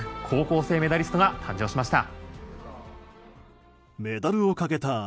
高校生メダリストが誕生しました。